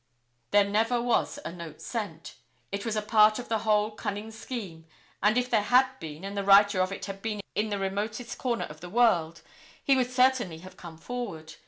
There never was a note sent. It was a part of the whole cunning scheme, and if there had been, and the writer of it had been in the remotest corner of the world, he would certainly have come forward.